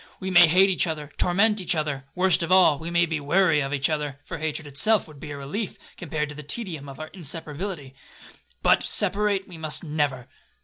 We may hate each other, torment each other,—worst of all, we may be weary of each other, (for hatred itself would be a relief, compared to the tedium of our inseparability), but separate we must never.'